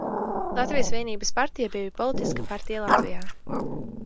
Latvijas Vienības partija bija politiska partija Latvijā.